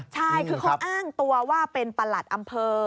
ใช่คือเขาอ้างตัวว่าเป็นประหลัดอำเภอ